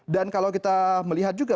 dan kalau kita melihat juga